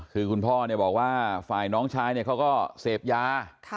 อ๋อคือคุณพ่อเนี่ยบอกว่าฝ่ายน้องชายเนี่ยเขาก็เสพยา